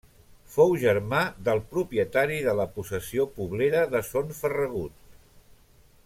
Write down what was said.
Fou germà del propietari de la possessió poblera de Son Ferragut.